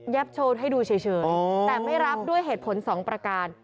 โชว์ให้ดูเฉยแต่ไม่รับด้วยเหตุผลสองประการ